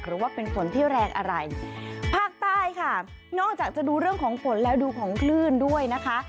หรือว่าเป็นฝนที่แรงอะไรภาคใต้ค่ะนอกจากจะดูเรื่องของฝนแล้วดูของคลื่นด้วยนะคะ